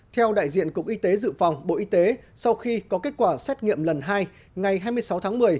theo đại diện cục y tế dự phòng bộ y tế sau khi có kết quả xét nghiệm lần hai ngày hai mươi sáu tháng một mươi